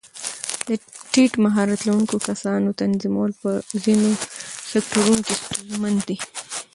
د ټیټ مهارت لرونکو کسانو تنظیمول په ځینو سکتورونو کې ستونزمن دي.